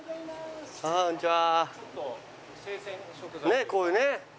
ねえこういうね。